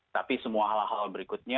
tapi semua hal hal berikutnya